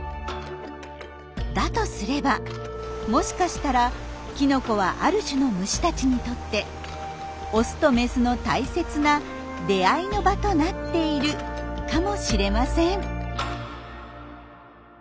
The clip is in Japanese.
だとすればもしかしたらきのこはある種の虫たちにとってオスとメスの大切な出会いの場となっているかもしれません。